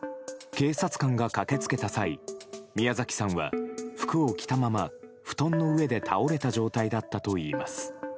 警察官が駆け付けた際宮崎さんは服を着たまま布団の上で倒れた状態だったといいます。